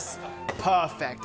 パーフェクト！